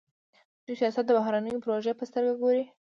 دوی سیاست د بهرنیو د پروژې په سترګه ګوري.